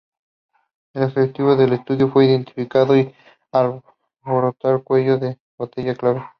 El objetivo del estudio fue identificar y abordar cuellos de botella clave.